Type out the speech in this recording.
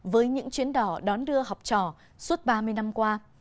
với những chuyến đỏ đón đưa học trò suốt ba mươi năm qua